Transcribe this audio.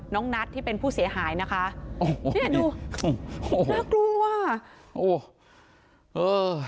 น้องนัทที่เป็นผู้เสียหายนะคะนี่ดูโอ้โหดูอ่ะโอ้โห